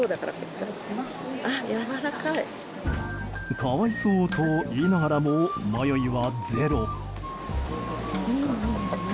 可哀想と言いながらも迷いはゼロ。